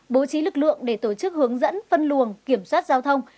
bố trí lực lượng để tổ chức hướng dẫn phân luồng kiểm soát giao thông